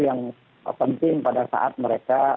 yang penting pada saat mereka